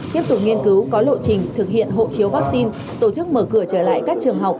tiếp tục nghiên cứu có lộ trình thực hiện hộ chiếu vaccine tổ chức mở cửa trở lại các trường học